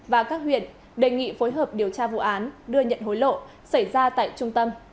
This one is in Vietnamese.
và các huyện đề nghị phối hợp điều tra vụ án đưa nhận hối lộ xảy ra tại trung tâm